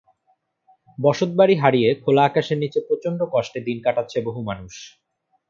বসতবাড়ি হারিয়ে খোলা আকাশের নিচে প্রচণ্ড কষ্টে দিন কাটাচ্ছে বহু মানুষ।